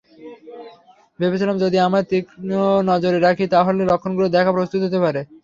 ভেবেছিলাম, যদি তোমায় তীক্ষ্ণ নজরে রাখি, তাহলে লক্ষণগুলো দেখে প্রস্তুত হতে পারব।